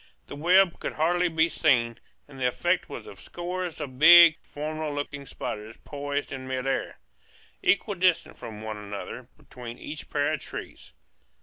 The webs could hardly be seen; and the effect was of scores of big, formidable looking spiders poised in midair, equidistant from one another, between each pair of trees.